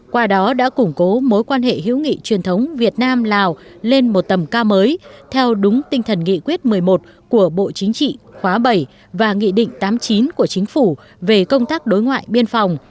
qua đó đã củng cố mối quan hệ hữu nghị truyền thống việt nam lào lên một tầm cao mới theo đúng tinh thần nghị quyết một mươi một của bộ chính trị khóa bảy và nghị định tám mươi chín của chính phủ về công tác đối ngoại biên phòng